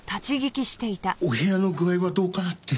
お部屋の具合はどうかなって。